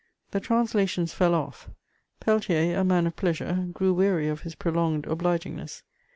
The translations fell off; Peltier, a man of pleasure, grew weary of his prolonged obligingness.